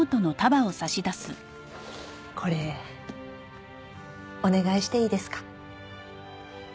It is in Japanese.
これお願いしていいですか？